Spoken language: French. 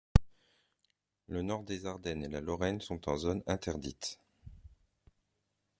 Le nord des Ardennes et de la Lorraine sont en zone interdite.